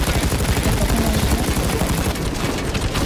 Sailkapen nagusian, aldaketarik ez.